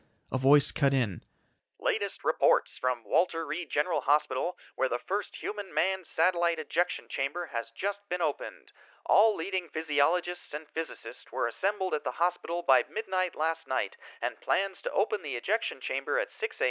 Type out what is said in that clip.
A voice cut in: "... latest reports from Walter Reed General Hospital where the first human manned satellite ejection chamber has just been opened. All leading physiologists and physicists were assembled at the hospital by midnight last night and plans to open the ejection chamber at 6 a.